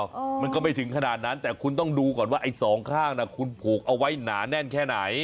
มันก็ไม่ถึงขนาดนั้นแต่คุณต้องดูก่อนว่าไอ้สองข้างน่ะคุณผูกเอาไว้หนาแน่นแค่ไหน